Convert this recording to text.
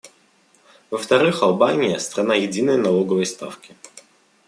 Во-вторых, Албания — страна единой налоговой ставки.